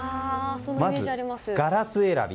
まず、ガラス選び。